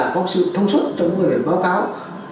có sự thông suất trong các báo cáo